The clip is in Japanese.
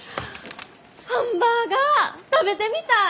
ハンバーガー食べてみたい！